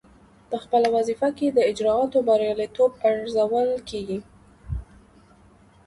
پخپله وظیفه کې د اجرااتو بریالیتوب ارزول کیږي.